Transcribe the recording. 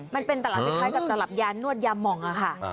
มันเป็นตลาดคล้ายกับตลับยานวดยามองค่ะ